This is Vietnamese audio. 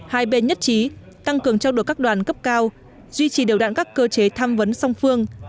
hai bên nhất trí tăng cường trao đổi các đoàn cấp cao duy trì đều đạn các cơ chế tham vấn song phương